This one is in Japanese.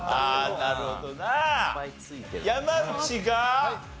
なるほど。